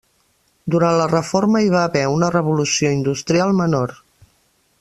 Durant la reforma hi va haver una revolució industrial menor.